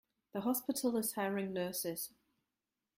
The hospital is hiring nurses.